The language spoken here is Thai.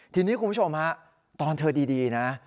ทีนี้คุณผู้ชมฮะตอนเธอดีนะ